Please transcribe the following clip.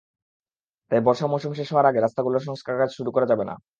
তাই বর্ষা মৌসুম শেষ হওয়ার আগে রাস্তাগুলোর সংস্কারকাজ শুরু করা যাবে না।